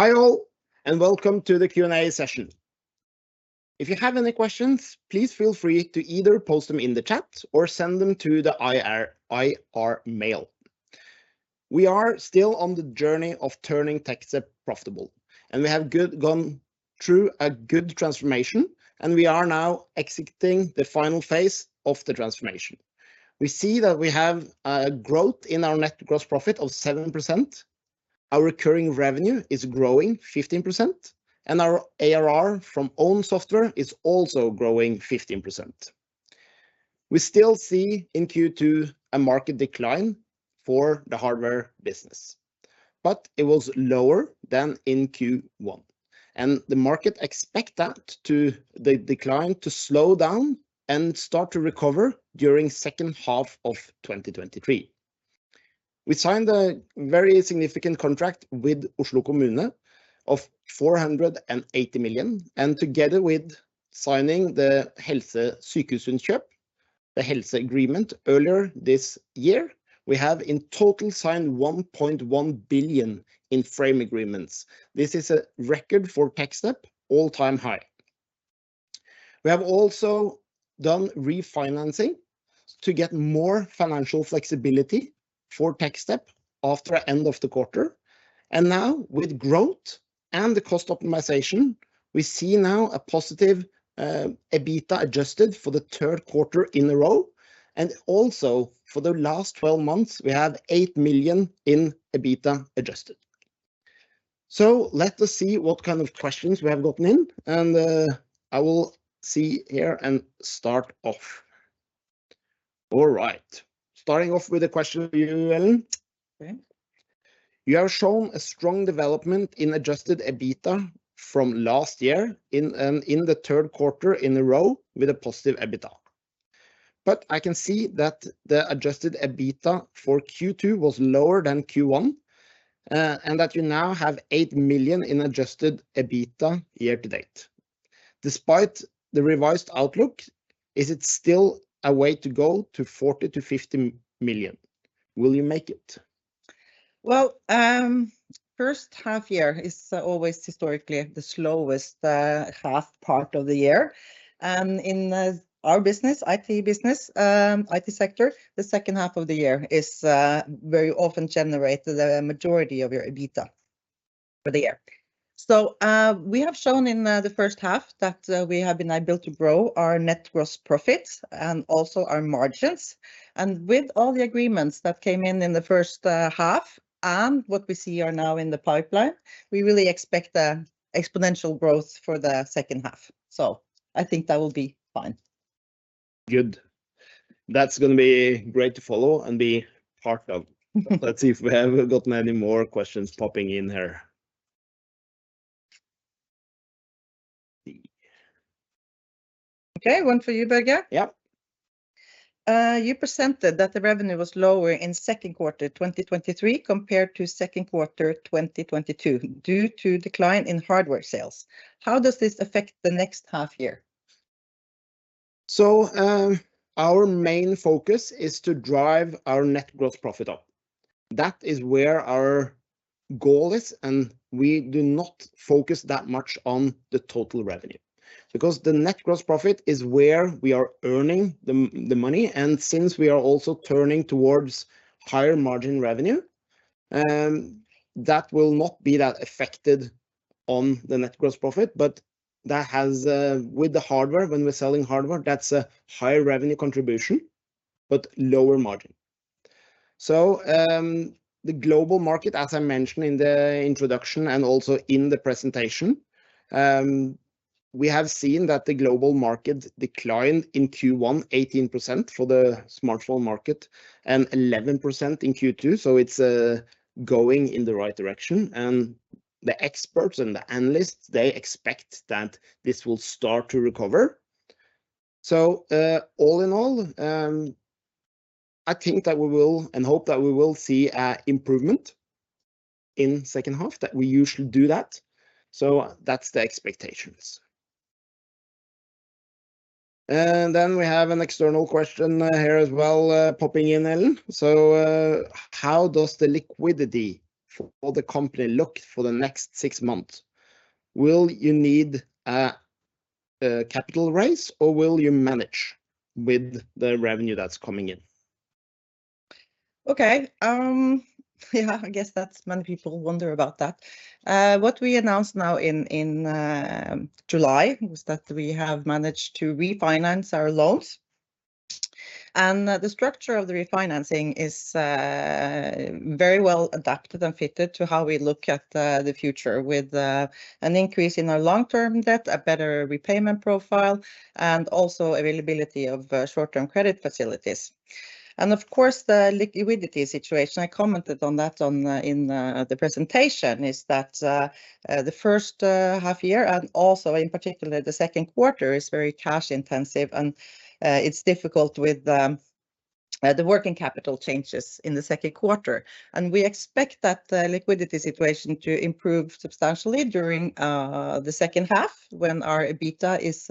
Hi, all, welcome to the Q&A session. If you have any questions, please feel free to either post them in the chat or send them to the IR mail. We are still on the journey of turning Techstep profitable, and we have gone through a good transformation, and we are now exiting the final phase of the transformation. We see that we have a growth in our net gross profit of 7%. Our recurring revenue is growing 15%, and our ARR from own software is also growing 15%. We still see in Q2 a market decline for the hardware business, but it was lower than in Q1, and the market expect the decline to slow down and start to recover during second half of 2023. We signed a very significant contract with Oslo Kommune of 480 million. Together with signing the Sykehusinnkjøp HF, the Helse agreement earlier this year, we have in total signed 1.1 billion in frame agreements. This is a record for Techstep, all-time high. We have also done refinancing to get more financial flexibility for Techstep after end of the quarter. Now with growth and the cost optimization, we see now a positive EBITDA adjusted for the third quarter in a row, and also for the last 12 months, we have 8 million in EBITDA adjusted. Let us see what kind of questions we have gotten in, and I will see here and start off. All right, starting off with a question, Ellen. Okay. You have shown a strong development in adjusted EBITDA from last year in the third quarter in a row with a positive EBITDA. I can see that the adjusted EBITDA for Q2 was lower than Q1, and that you now have 8 million in adjusted EBITDA year to date. Despite the revised outlook, is it still a way to go to 40 million-50 million? Will you make it? Well, first half year is always historically the slowest half part of the year. In our business, IT business, IT sector, the second half of the year is very often generate the majority of your EBITDA for the year. We have shown in the first half that we have been able to grow our net gross profits and also our margins, and with all the agreements that came in in the first half and what we see are now in the pipeline, we really expect a exponential growth for the second half. I think that will be fine. Good. That's gonna be great to follow and be part of. Let's see if we have gotten any more questions popping in here. See. Okay, one for you, Børge. Yeah. You presented that the revenue was lower in second quarter 2023 compared to second quarter 2022 due to decline in hardware sales. How does this affect the next half year? Our main focus is to drive our net gross profit up. That is where our goal is, and we do not focus that much on the total revenue. Because the net gross profit is where we are earning the money, and since we are also turning towards higher margin revenue, that will not be that affected on the net gross profit, but that has. With the hardware, when we're selling hardware, that's a higher revenue contribution but lower margin. The global market, as I mentioned in the introduction and also in the presentation, we have seen that the global market declined in Q1, 18% for the smartphone market and 11% in Q2, so it's going in the right direction. The experts and the analysts, they expect that this will start to recover. All in all, I think that we will and hope that we will see a improvement in second half, that we usually do that. That's the expectations. We have an external question here as well, popping in, Ellen. How does the liquidity for the company look for the next six months? Will you need a capital raise, or will you manage with the revenue that's coming in? Okay, yeah, I guess that's many people wonder about that. What we announced now in, in July was that we have managed to refinance our loans, and the structure of the refinancing is very well adapted and fitted to how we look at the future with an increase in our long-term debt, a better repayment profile, and also availability of short-term credit facilities. Of course, the liquidity situation, I commented on that on the, in the, the presentation, is that the first half year, and also in particular, the second quarter, is very cash intensive and it's difficult with the working capital changes in the second quarter. We expect that the liquidity situation to improve substantially during the second half when our EBITDA is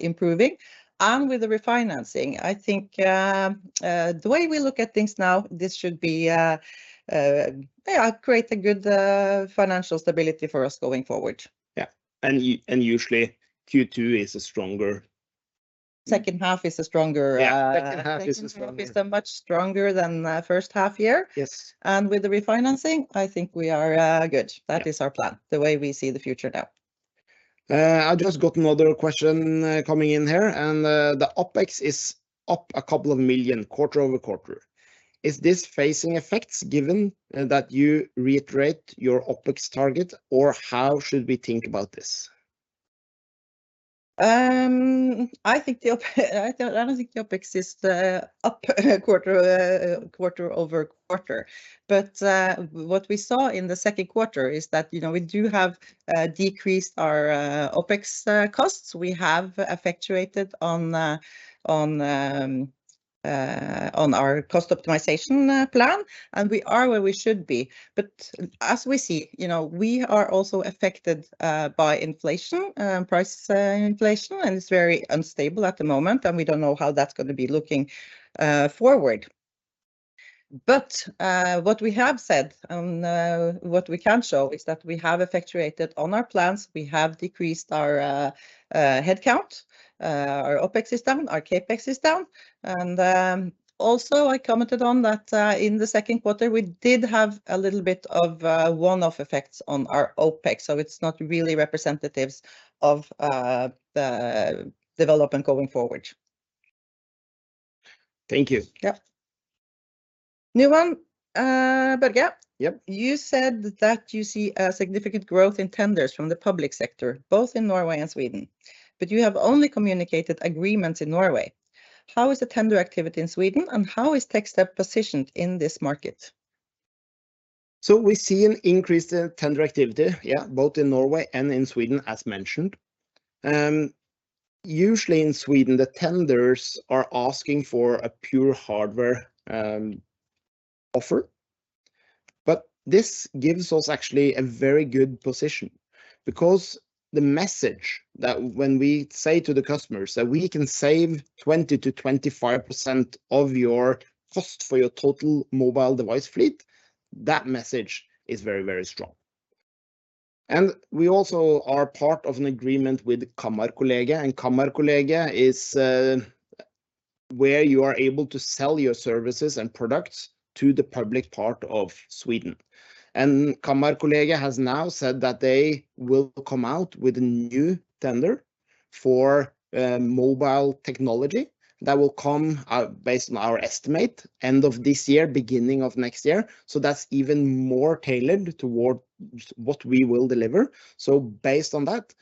improving and with the refinancing. I think, the way we look at things now, this should be, yeah, create a good, financial stability for us going forward. Yeah, and usually, Q2 is a stronger-... Second half is a stronger. Yeah, second half is a stronger- Is a much stronger than the first half year. Yes. With the refinancing, I think we are good. Yeah. That is our plan, the way we see the future now. I've just got another question coming in here, and the OpEx is up 2 million quarter-over-quarter. Is this phasing effects, given that you reiterate your OpEx target, or how should we think about this? I think I don't, I don't think the OpEx is up quarter-over-quarter. What we saw in the second quarter is that, you know, we do have decreased our OpEx costs. We have effectuated on on on our cost optimization plan, and we are where we should be. As we see, you know, we are also affected by inflation, price inflation, and it's very unstable at the moment, and we don't know how that's gonna be looking forward. What we have said and what we can show is that we have effectuated on our plans. We have decreased our headcount, our OpEx is down, our CapEx is down, and also I commented on that in the second quarter, we did have a little bit of one-off effects on our OpEx, so it's not really representatives of the development going forward. Thank you. Yep. New one, Børge? Yep. You said that you see a significant growth in tenders from the public sector, both in Norway and Sweden, but you have only communicated agreements in Norway. How is the tender activity in Sweden, and how is Techstep positioned in this market? We see an increase in tender activity, yeah, both in Norway and in Sweden, as mentioned. Usually in Sweden, the tenders are asking for a pure hardware offer. This gives us actually a very good position because the message that when we say to the customers that we can save 20%-25% of your cost for your total mobile device fleet, that message is very, very strong. We also are part of an agreement with Kammarkollegiet, and Kammarkollegiet is where you are able to sell your services and products to the public part of Sweden. Kammarkollegiet has now said that they will come out with a new tender for mobile technology that will come out, based on our estimate, end of this year, beginning of next year. That's even more tailored towards what we will deliver. Based on that,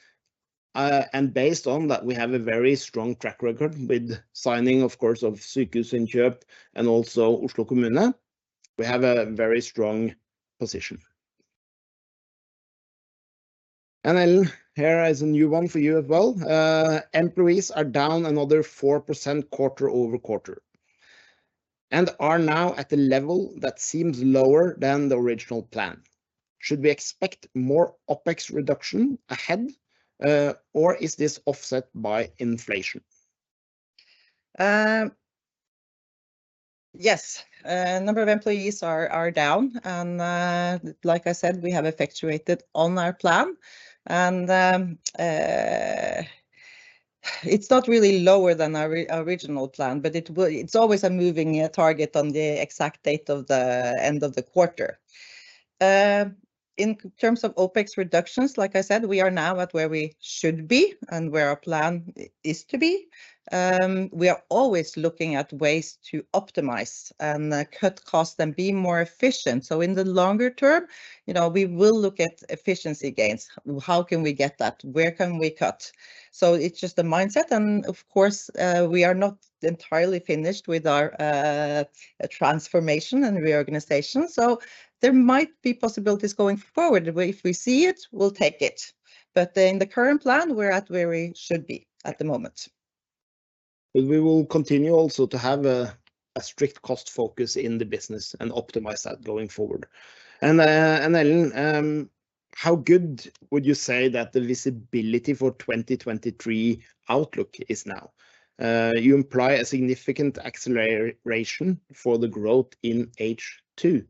and based on that, we have a very strong track record with signing, of course, of Sykehusinnkjøp and also Oslo Kommune. We have a very strong position. Then here is a new one for you as well. "Employees are down another 4% quarter-over-quarter and are now at a level that seems lower than the original plan. Should we expect more OpEx reduction ahead, or is this offset by inflation? Yes, number of employees are, are down, like I said, we have effectuated on our plan. It's not really lower than our original plan, but it's always a moving target on the exact date of the end of the quarter. In terms of OpEx reductions, like I said, we are now at where we should be and where our plan is to be. We are always looking at ways to optimize and cut costs and be more efficient, so in the longer term, you know, we will look at efficiency gains. How can we get that? Where can we cut? It's just a mindset, and of course, we are not entirely finished with our transformation and reorganization, so there might be possibilities going forward, where if we see it, we'll take it. In the current plan, we're at where we should be at the moment. We will continue also to have a strict cost focus in the business and optimize that going forward. How good would you say that the visibility for 2023 outlook is now? You imply a significant acceleration for the growth in H2.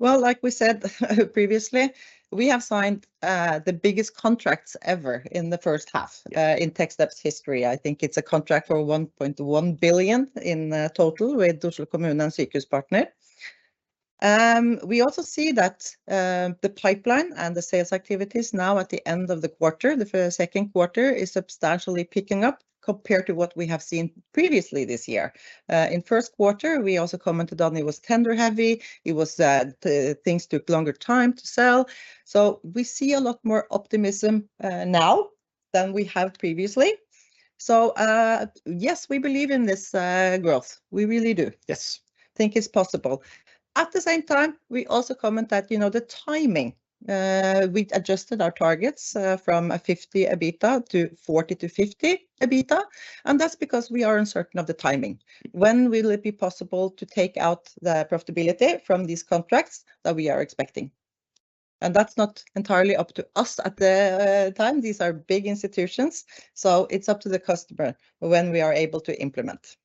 Well, like we said previously, we have signed, the biggest contracts ever in the first half- Yeah... In Techstep's history. I think it's a contract for 1.1 billion in total with Oslo Kommune and Sykehuspartner We also see that the pipeline and the sales activities now at the end of the quarter, the first second quarter, is substantially picking up compared to what we have seen previously this year. In first quarter, we also commented on it was tender-heavy. It was, the things took longer time to sell. We see a lot more optimism now than we have previously. Yes, we believe in this growth. We really do, yes. Think it's possible. At the same time, we also comment that, you know, the timing, we adjusted our targets from a 50 EBITDA to 40-50 EBITDA, and that's because we are uncertain of the timing. When will it be possible to take out the profitability from these contracts that we are expecting? That's not entirely up to us at the time. These are big institutions, it's up to the customer when we are able to implement.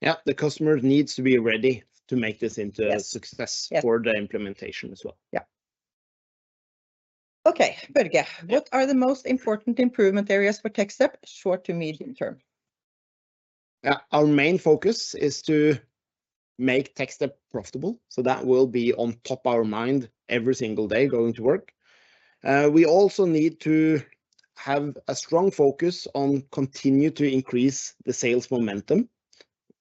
Yeah, the customer needs to be ready to make this into- Yes A success- Yes... For the implementation as well. Yeah. Okay, Børge. Yeah. What are the most important improvement areas for Techstep, short to medium term? Our main focus is to make Techstep profitable, that will be on top of our mind every single day going to work. We also need to have a strong focus on continue to increase the sales momentum.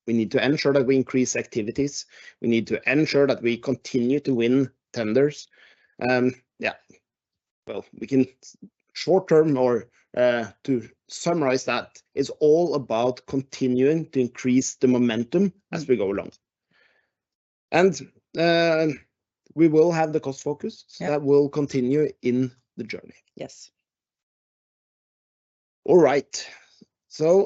We need to ensure that we increase activities. We need to ensure that we continue to win tenders. Yeah, well, we can short term or to summarize that, it's all about continuing to increase the momentum- Mm as we go along. We will have the cost focus. Yeah. That will continue in the journey. Yes. All right,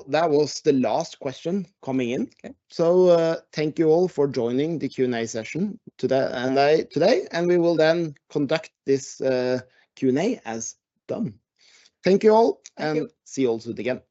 that was the last question coming in. Okay. Thank you all for joining the Q&A session today, and today, and we will then conduct this, Q&A as done. Thank you all- Thank you. and see you all soon again.